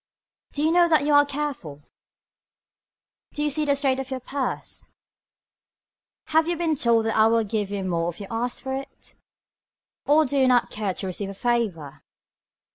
Do you know that you are careful. Do you see the state of your purse. Have you been told that I will give you more if you ask for it. Or do you not care to receive a favor.